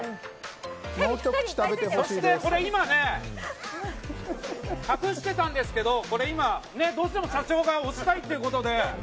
そして、今ね隠してたんですけどどうしても社長が推したいということで。